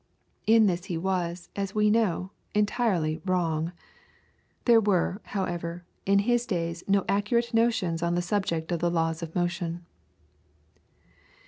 In this he was, as we know, entirely wrong. There were, however, in his days no accurate notions on the subject of the laws of motion.